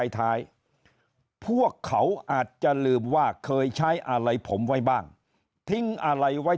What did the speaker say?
ท้ายพวกเขาอาจจะลืมว่าเคยใช้อะไรผมไว้บ้างทิ้งอะไรไว้